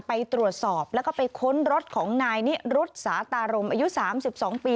ไปตรวจสอบแล้วก็ไปค้นรถของนายนิรุธสาตารมอายุ๓๒ปี